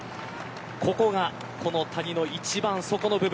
ここが谷の一番底の部分。